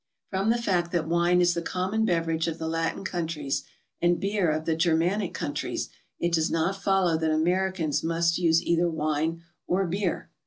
From the fact that wine is the common beverage of the Latin countries and beer of the Germanic countries, it does not follow that Americans must use either wine or beer.